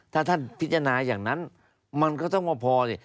ถ้าท่านพิจารณาอย่างนั้นมันก็ต้องว่าพอสิ